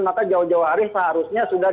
maka jawa jawa arif seharusnya sudah